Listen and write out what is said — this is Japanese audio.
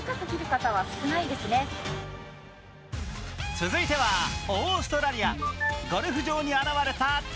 続いてはオーストラリア。